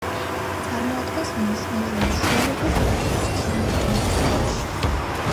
წარმოადგენს მნიშვნელოვან შუალედურ პროდუქტს ქიმიურ ინდუსტრიაში.